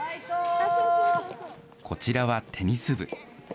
こちらはテニス部。